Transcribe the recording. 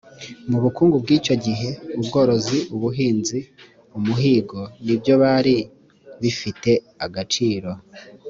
mu bukungu bw icyo gihe ubworozi ubuhinzi umuhigo nibyo bari bifite agaciro